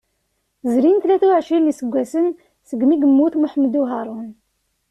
Zrin tlata uɛecrin n yiseggasen segmi yemmut Muḥemmed Uharun.